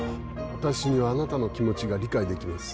私にはあなたの気持ちが理解できます。